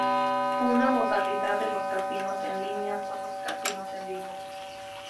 Una modalidad de los casinos en línea son los casinos en vivo.